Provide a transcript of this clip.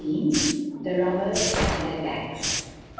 XV. THE ROBBERS AND THEIR BAGS.